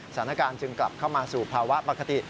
สถานการณ์จึงกลับเข้ามาสู่ภาวะปกติ